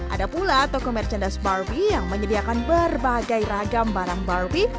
ada pula toko merchandise barbie yang menyediakan berbagai ragam barang barbie